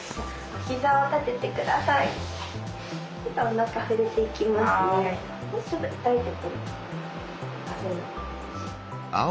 おなか触れていきますね。